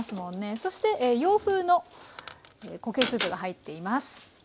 そして洋風の固形スープが入っています。